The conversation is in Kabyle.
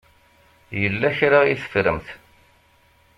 Yella kra i teffremt.